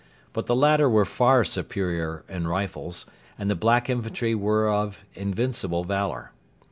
But the latter were far superior in rifles, and the black infantry were of invincible valour.